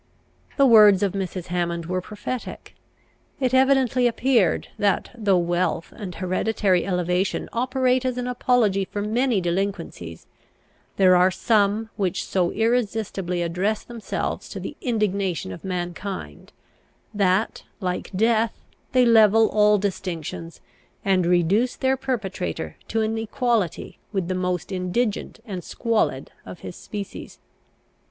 The words of Mrs. Hammond were prophetic. It evidently appeared, that though wealth and hereditary elevation operate as an apology for many delinquencies, there are some which so irresistibly address themselves to the indignation of mankind, that, like death, they level all distinctions, and reduce their perpetrator to an equality with the most indigent and squalid of his species.